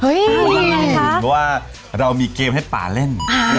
เพราะว่าเรามีเกมให้ป่าเล่น